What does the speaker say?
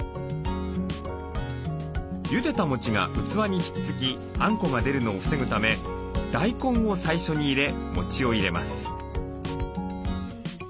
ゆでたもちが器に引っつきあんこが出るのを防ぐため大根を最初に入れもちを入れます。